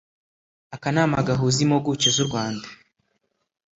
akanama gahuza impuguke z'u rwanda